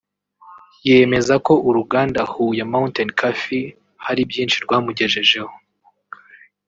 yemeza ko uruganda Huye Mounatain Coffee hari byinshi rwamugejejeho